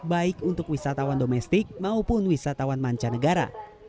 baik untuk wisatawan domestik maupun wisatawan mancanegara